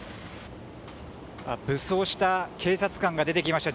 武装した警察官が出てきました。